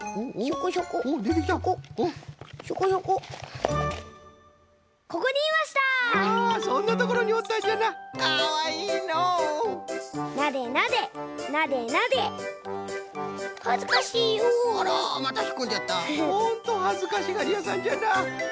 ほんとはずかしがりやさんじゃな。